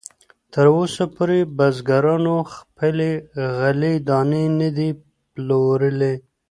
تراوسه پورې بزګرانو خپلې غلې دانې نه دي پلورلې.